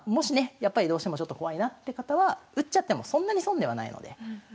やっぱりどうしてもちょっと怖いなって方は打っちゃってもそんなに損ではないので。